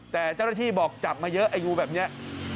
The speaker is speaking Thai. แต่เจ้าหน้าที่บอกจับมาเยอะไอ้งูแบบนี้